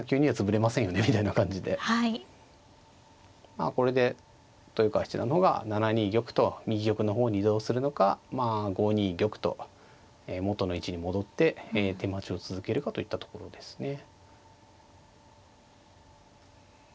まあこれで豊川七段の方が７二玉と右玉の方に移動するのか５二玉と元の位置に戻って手待ちを続けるかといったところですね。